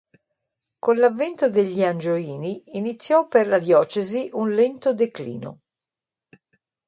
Con l'avvento degli Angioini iniziò per la diocesi un lento declino.